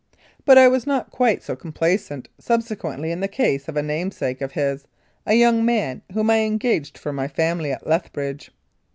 But I was not quite so complacent subsequently in the case of a namesake of his, a young man, whom I engaged for my family at Lethbridge.